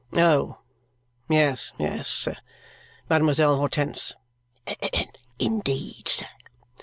"Oh! Yes, yes. Mademoiselle Hortense." "Indeed, sir?"